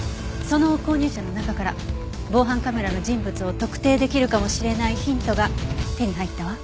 その購入者の中から防犯カメラの人物を特定出来るかもしれないヒントが手に入ったわ。